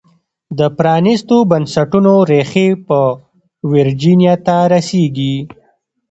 د پرانیستو بنسټونو ریښې په ویرجینیا ته رسېږي.